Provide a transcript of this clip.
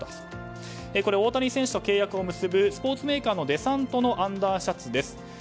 大谷選手と契約を結ぶスポーツメーカーのデサントのアンダーシャツです。